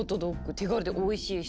手軽でおいしいしさ！